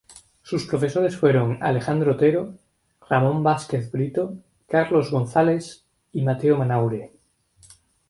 Sus profesores fueron Alejandro Otero, Ramón Vásquez Brito, Carlos Gonzáles y Mateo Manaure.